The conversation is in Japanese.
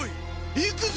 いくぞ。